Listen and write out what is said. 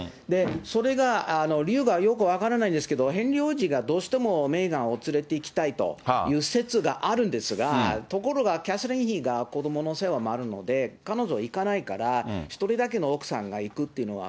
それが理由がよく分からないんですけど、ヘンリー王子がどうしてもメーガンを連れていきたいという説があるんですが、ところがキャサリン妃が子どもの世話もあるので、彼女行かないから、１人だけの奥さんが行くっていうのは